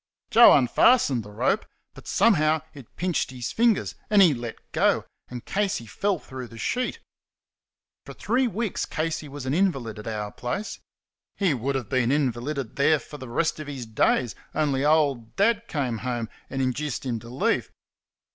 Joe unfastened the rope, but somehow it pinched his fingers and he let go, and Casey fell through the sheet. For three weeks Casey was an invalid at our place. He would have been invalided there for the rest of his days only old Dad came home and induced him to leave.